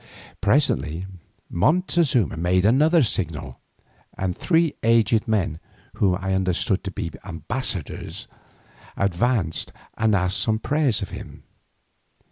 Presently Montezuma made another signal, and three aged men whom I understood to be ambassadors, advanced and asked some prayer of him.